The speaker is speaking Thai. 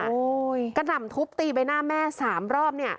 กระหน่ำทุบตีใบหน้าแม่สามรอบเนี่ย